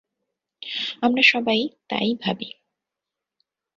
আমরা সবাই তাই ভাবি।